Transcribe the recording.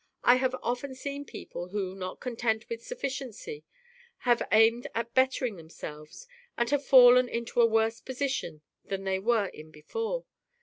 I have often seen people who, not content with sufficiency, have aimed at bettering themselves, and have fallen into a worse position than they were in before.